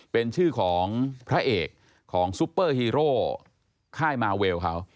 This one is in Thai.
เป็นชื่อของพระเอกของซุปเปอร์ฮีโร่ค่ายมาเวลเขา